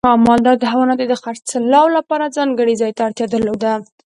مالدار د حیواناتو د خرڅلاو لپاره ځانګړي ځای ته اړتیا درلوده.